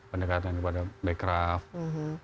pendekatan kepada blackcraft